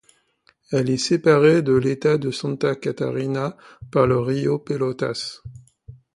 Elle est séparée de l'État de Santa Catarina par le rio Pelotas.